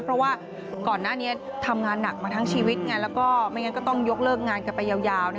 เพราะว่าก่อนหน้านี้ทำงานหนักมาทั้งชีวิตไงแล้วก็ไม่งั้นก็ต้องยกเลิกงานกันไปยาว